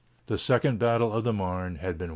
The second battle of the Marne had been won.